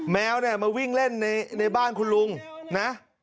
แมวเนี่ยมาวิ่งเล่นในบ้านคุณลุงนะ